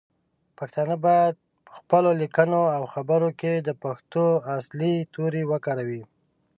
پښتانه باید پخپلو لیکنو او خبرو کې د پښتو اصلی تورې وکاروو.